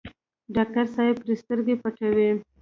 ډاکټر صاحب پرې سترګې پټوي.